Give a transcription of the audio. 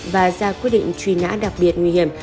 và ra quyết định truy nã đặc biệt nguy hiểm